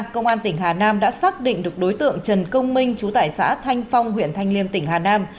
công an tỉnh hà nam đã xác định được đối tượng trần công minh trú tại xã thanh phong huyện thanh liêm tỉnh hà nam